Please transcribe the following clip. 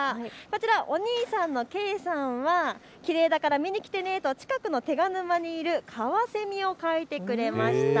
お兄さんの景さんは、きれいだから見に来てねと近くの手賀沼にいるカワセミを描いてくれました。